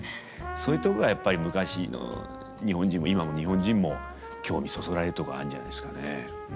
そういうとこがやっぱり昔の日本人も今の日本人も興味そそられるとこがあるんじゃないですかね。